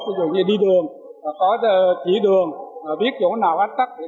ví dụ như đi đường có chỉ đường biết chỗ nào ách tắc